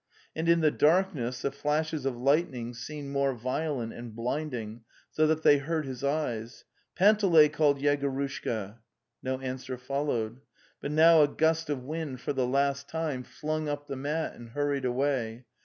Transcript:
And in the dark ness the flashes of lightning seemed more violent and blinding, so that they hurt his eyes. '" Panteley! " called Yegorusnka. No answer followed. But now a gust of wind for the last time flung up the mat and hurried away.